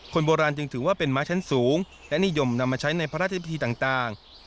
คนโบราณจึงถือว่าเป็นม้าชั้นสูงและนิยมนำมาใช้ในพระราชพิธีต่าง